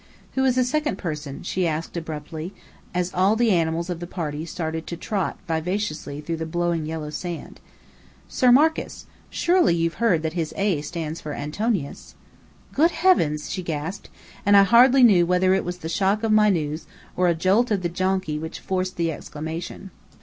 "Who is the second person?" she asked abruptly, as all the animals of the party started to trot vivaciously through the blowing yellow sand. "Sir Marcus. Surely you've heard that his 'A' stands for Antonius?" "Good heavens!" she gasped: and I hardly knew whether it was the shock of my news, or a jolt of the donkey which forced the exclamation.